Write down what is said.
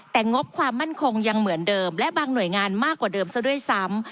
แต่งบความมั่นคงยังเหมือนเดิมและบางหน่วยงานมากกว่าเดิมซะด้วยซ้ำ